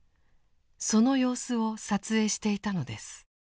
その様子を撮影していたのです。